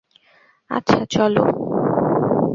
আচ্ছা, চলো।